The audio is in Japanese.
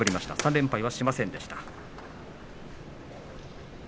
３連敗はしませんでした。